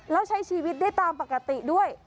แล้วใช้ชีวิตได้ตามปกติด้วย